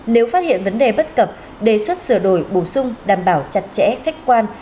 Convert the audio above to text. nếu phát hiện vấn đề bất cập đề xuất sửa đổi bổ sung đảm bảo chặt chẽ khách quan